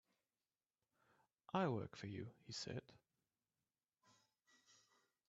"I'll work for you," he said.